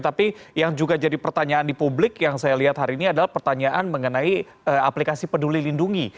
tapi yang juga jadi pertanyaan di publik yang saya lihat hari ini adalah pertanyaan mengenai aplikasi peduli lindungi